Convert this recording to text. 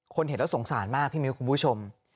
เห็นแล้วสงสารมากพี่มิ้วคุณผู้ชม